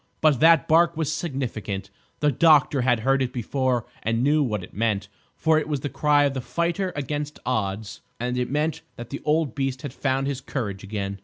But that bark was significant; the doctor had heard it before and knew what it meant: for it was the cry of the fighter against odds and it meant that the old beast had found his courage again.